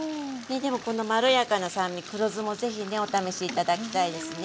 でもまろやかな酸味黒酢もぜひねお試し頂きたいですね。